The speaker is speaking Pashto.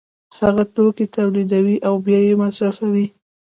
هغه توکي تولیدوي او بیا یې مصرفوي